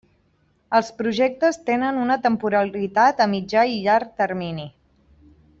Els projectes tenen una temporalitat a mitjà i llarg termini.